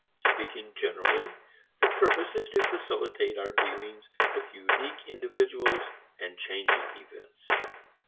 Speaking generally, the purpose is to facilitate our dealings with unique individuals and changing events.